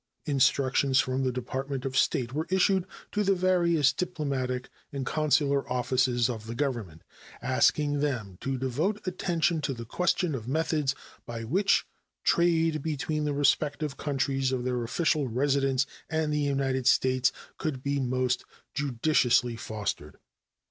Instructions from the Department of State were issued to the various diplomatic and consular officers of the Government, asking them to devote attention to the question of methods by which trade between the respective countries of their official residence and the United States could be most judiciously fostered.